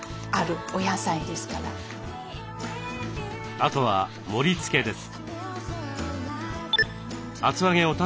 あとは盛りつけです。